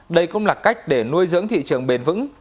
đây cũng là cách để nuôi dưỡng thị trường bền vững